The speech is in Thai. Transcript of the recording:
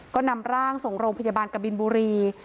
ก็นำร่างส่งโรงพยาบาลกบินบุรี